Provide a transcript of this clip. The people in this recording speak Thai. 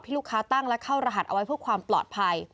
ลูกค้าตั้งและเข้ารหัสเอาไว้เพื่อความปลอดภัย